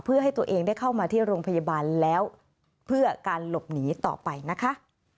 เพื่อให้ตัวเองได้เข้ามาที่โรงพยาบาลแล้วเพื่อการหลบหนีต่อไปนะคะ